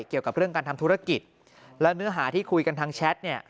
เกี่ยวกับเรื่องการทำธุรกิจแล้วเนื้อหาที่คุยกันทางแชทเนี่ย